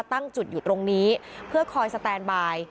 ตั้งจุดอยู่ตรงนี้เพื่อคอยสแตนบาย